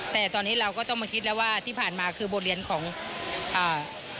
แต่ตอนนี้เราก็ต้องมาคิดแล้วว่าที่ผ่านมาคือบทเรียนของอ่า